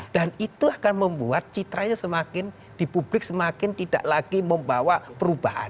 dan itu akan membuat citranya semakin di publik semakin tidak lagi membawa perubahan